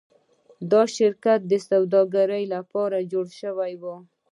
دا شرکت د سوداګرۍ لپاره جوړ شوی و.